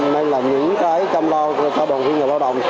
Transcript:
nên là những cái chăm lo cho đoàn viên người lao động